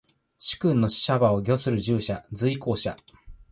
主君の車馬を御する従者。随行者。